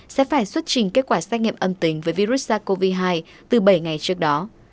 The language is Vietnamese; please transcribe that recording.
sẽ phải xuất trình kết quả xét nghiệm âm tính với virus sars cov hai từ bảy ngày trước đó